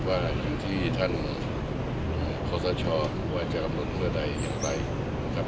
ว่าอย่างที่ท่านโครซาชอร์โดยจะรับรถทั้งเมื้อในยังไง